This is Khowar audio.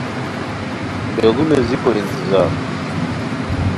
بیڑو نیزیکو انتظار